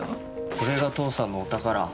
これが父さんのお宝。